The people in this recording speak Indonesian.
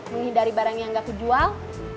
menghindari barang yang gak kejual